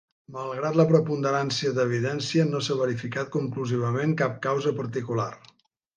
Malgrat la preponderància d'evidència, no s'ha verificat conclusivament cap causa particular.